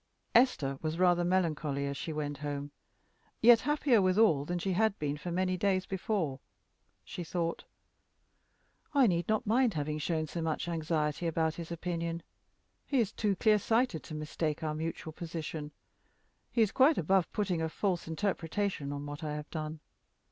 Esther was rather melancholy as she went home, yet happier withal than she had been for many days before. She thought, "I need not mind having shown so much anxiety about his opinion. He is too clear sighted to mistake our mutual position; he is quite above putting a false interpretation on what I have done.